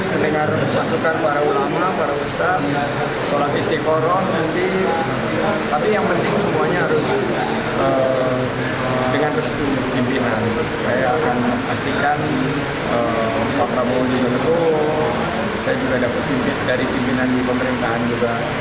pastikan pak ramu di menurut saya juga dapat pimpin dari pimpinan pemerintahan juga